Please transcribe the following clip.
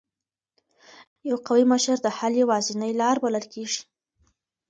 یو قوي مشر د حل یوازینۍ لار بلل کېږي.